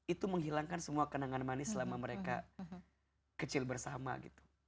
itu menghilangkan semua kenangan manis selama mereka kecil bersama gitu